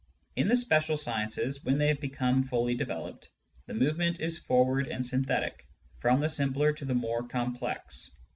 In the special sciences, when they have become fully developed, the movement is forward and synthetic, from the simpler to the more complex.